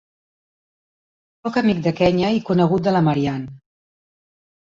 Soc amic de Kenya i conegut de la Marianne.